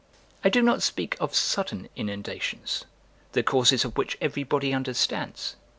I do not speak of sudden inundations, the causes of which everybody understands.